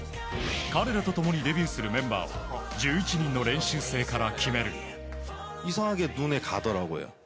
彼らと共にデビューするメンバー１１人の練習生から決める。